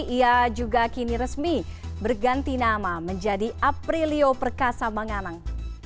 ia juga kini resmi berganti nama menjadi aprilio perkasa manganang